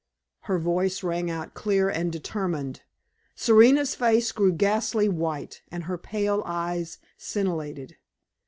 Her voice rang out clear and determined. Serena's face grew ghastly white, and her pale eyes scintillated.